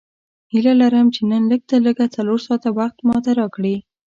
هیله لرم چې نن لږ تر لږه څلور ساعته وخت ماته راکړې.